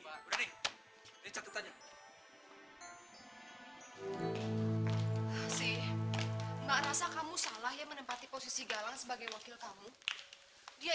hai sehat sehatnya sih enggak rasa kamu salah ya menempati posisi galang sebagai wakil kamu dia